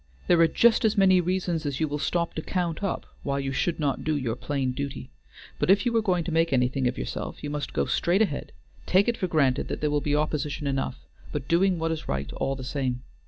There are just as many reasons as you will stop to count up why you should not do your plain duty, but if you are going to make anything of yourself you must go straight ahead, taking it for granted that there will be opposition enough, but doing what is right all the same.